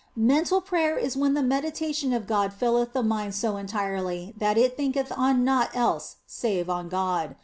Mental prayer is when the meditation of God filleth the mind so entirely that it thinketh on naught else save on God.